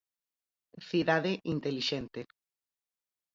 Cidade intelixente.